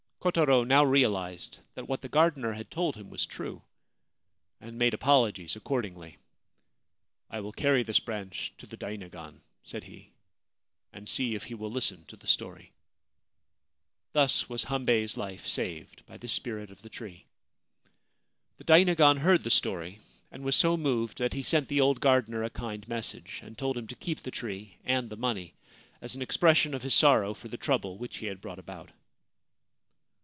324 The Dragon Shaped Plum Tree Kotaro now realised that what the gardener had told him was true, and made apologies accordingly. ' 1 will carry this branch to the dainagon,' said he, 4 and see if he will listen to the story.' Thus was Hambei's life saved by the spirit of the tree. The dainagon heard the story, and was so moved that he sent the old gardener a kind message, and told him to keep the tree and the money, as an expression of his sorrow for the trouble which he had brought about.